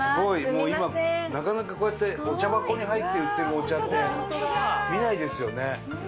もう今なかなかこうやってお茶箱に入って売ってるお茶って見ないですよね。